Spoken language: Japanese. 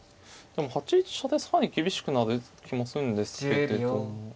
でも８一飛車で更に厳しくなる気もするんですけれども。